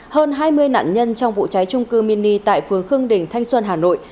hơn hai mươi nạn nhân trong vụ cháy trung cư mini tại phường khương đình thanh xuân hà nội